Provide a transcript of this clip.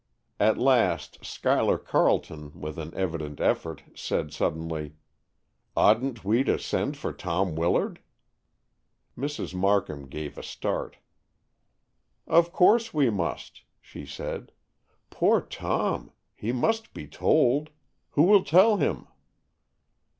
At last Schuyler Carleton, with an evident effort, said suddenly, "Oughtn't we to send for Tom Willard?" Mrs. Markham gave a start. "Of course we must," she said. "Poor Tom! He must be told. Who will tell him?"